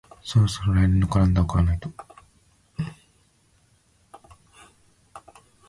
そろそろ来年のカレンダーを買わないと